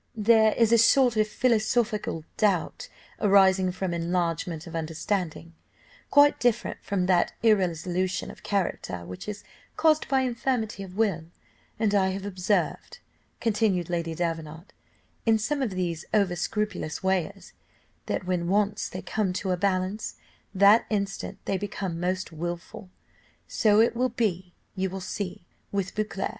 There is a sort of philosophical doubt, arising from enlargement of understanding, quite different from that irresolution of character which is caused by infirmity of will; and I have observed," continued Lady Davenant, "in some of these over scrupulous weighers, that when once they come to a balance, that instant they become most wilful; so it will be, you will see, with Beauclerc.